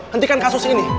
hentikan kasus ini